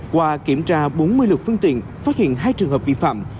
qua kiểm tra bốn mươi lực phương tiện phát hiện hai trường hợp vi phạm